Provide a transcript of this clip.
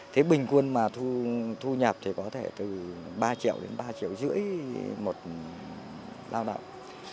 thế bình quân mà thu nhập thì có thể từ ba triệu đến ba triệu rưỡi một lao động